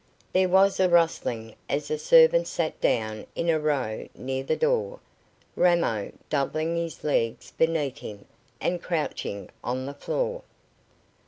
There was a rustling as the servants sat down in a row near the door, Ramo doubling his legs beneath him, and crouching on the floor.